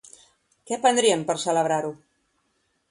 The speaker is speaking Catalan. Què prendrien, per celebrar-ho?